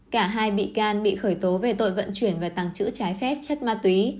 cả hai bị can bị khởi tố về tội vận chuyển và tăng chữ trái phép chất ma túy